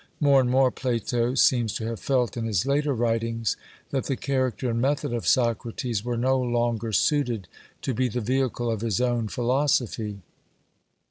More and more Plato seems to have felt in his later writings that the character and method of Socrates were no longer suited to be the vehicle of his own philosophy.